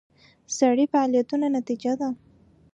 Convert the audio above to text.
سړي فعالیتونو نتیجه ده.